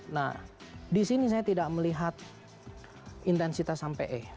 nah di sini saya tidak melihat intensitas sampai e